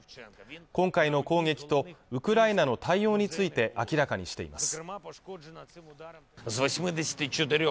今回の攻撃とウクライナの対応について明らかにしています